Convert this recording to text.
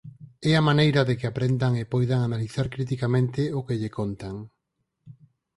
É a maneira de que aprendan e poidan analizar criticamente o que lle contan